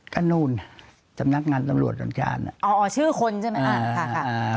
ก็นู่นสำนักงานตำรวจแห่งชาติอ๋ออ๋อชื่อคนใช่ไหมอ่าค่ะ